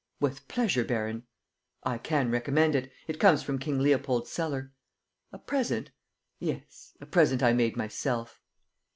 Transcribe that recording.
"With pleasure, baron." "I can recommend it. It comes from King Leopold's cellar." "A present?" "Yes, a present I made myself."